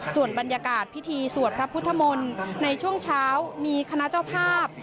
ส่วนบรรยากาศพิธีสวดพระพุทธมนตร์ในช่วงเช้ามีคณะเจ้าภาพ